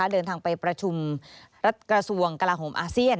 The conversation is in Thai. เดินทางไปประชุมรัฐกระทรวงกลาโหมอาเซียน